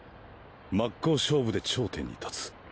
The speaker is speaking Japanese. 真っ向勝負で頂点に立つ。